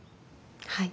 はい。